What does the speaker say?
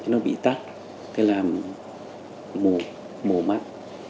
nó bị tắt làm mù mắt